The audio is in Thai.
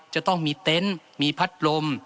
จะต้องมีเต็นต์มีพัดลม